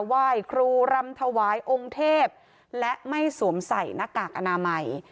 ไหว้ครูรำถวายองค์เทพและไม่สวมใส่หน้ากากอนามัย